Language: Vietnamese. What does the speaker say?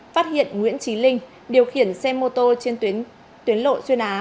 phát hiện nguyễn trí linh điều khiển xe mô tô trên tuyến lộ xuyên á